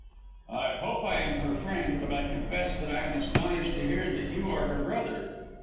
"I hope I am her friend. But I confess that I am astonished to hear that you are her brother.